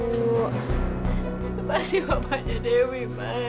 itu pasti bapaknya dewi